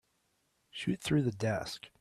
Shoot through the desk.